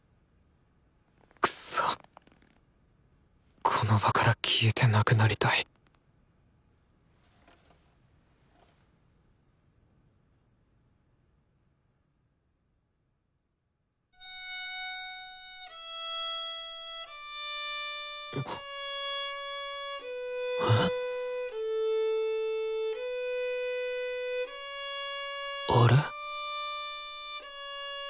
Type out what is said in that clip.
くそこの場から消えてなくなりたいあれ？